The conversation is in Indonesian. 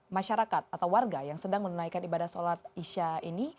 masyarakat atau warga yang sedang menunaikan ibadah sholat isya ini